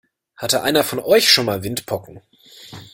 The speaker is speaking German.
Hatte einer von euch schon mal Windpocken?